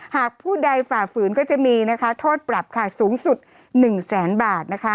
ผู้ใดฝ่าฝืนก็จะมีโทษปรับค่ะสูงสุด๑แสนบาท